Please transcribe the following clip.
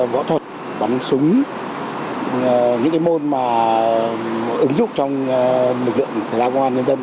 võ thuật bắn súng những môn mà ứng dụng trong lực lượng thể thao công an nhân dân